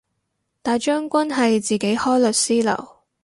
大將軍係自己開律師樓